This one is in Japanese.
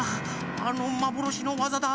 あのまぼろしのわざだ。